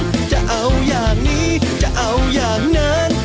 ดูแล้วคงไม่รอดเพราะเราคู่กัน